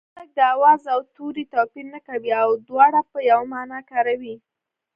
خلک د آواز او توري توپیر نه کوي او دواړه په یوه مانا کاروي